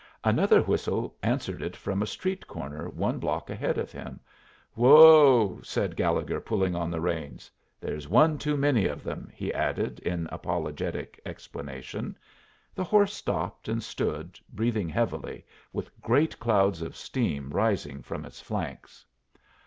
Another whistle answered it from a street corner one block ahead of him. "Whoa," said Gallegher, pulling on the reins. "There's one too many of them," he added, in apologetic explanation. The horse stopped, and stood, breathing heavily, with great clouds of steam rising from its flanks.